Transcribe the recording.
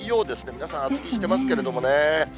皆さん、厚着してますけれどもね。